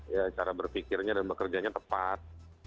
ya cara berpikirnya dan bekerjanya tepat